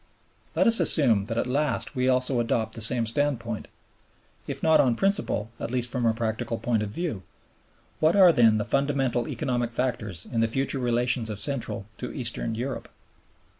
Let us assume that at last we also adopt the same standpoint, if not on principle, at least from a practical point of view. What are then the fundamental economic factors in the future relations of Central to Eastern Europe?